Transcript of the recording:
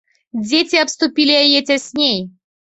Дзеці абступілі яе цясней.